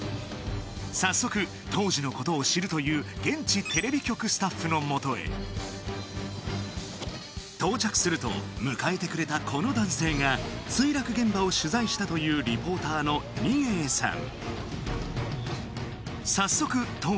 早速当時のことを知るという現地テレビ局スタッフのもとへ到着すると迎えてくれたこの男性が墜落現場を取材したというリポーターのニエイさん